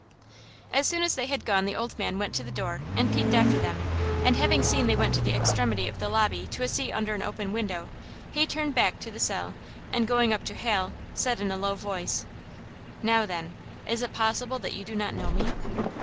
As soon as they had gone the old man went to the door and peeped after them, and having seen they went to the extremity of the lobby to a seat under an open window, he turned back to the cell, and, going up to Hal, said in a low, voice: "Now, then, is it possible that you do not know me?"